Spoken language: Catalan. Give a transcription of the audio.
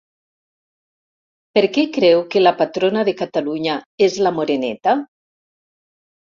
Per què creu que la patrona de Catalunya és la Moreneta?